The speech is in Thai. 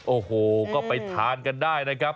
โอ้โหก็ไปทานกันได้นะครับ